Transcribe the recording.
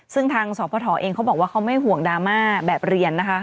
ซึ่งทางศพทเองเขาบอกว่าเขาแบบเรียนนะคะ